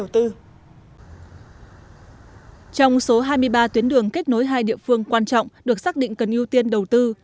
trong số hai mươi ba tuyến đường kết nối hai địa phương quan trọng được xác định cần ưu tiên đầu tư